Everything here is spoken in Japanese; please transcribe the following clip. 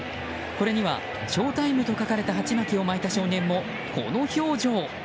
これにはショータイムと書かれたはちまきを巻いた少年もこの表情。